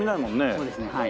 そうですねはい。